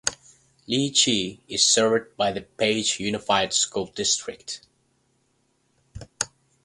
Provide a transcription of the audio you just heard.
LeChee is served by the Page Unified School District.